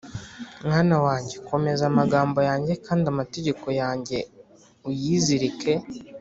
mwana wanjye, komeza amagambo yanjye, kandi amategeko yanjye uyizirike